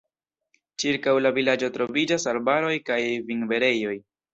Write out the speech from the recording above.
Ĉirkaŭ la vilaĝo troviĝas arbaroj kaj vinberejoj.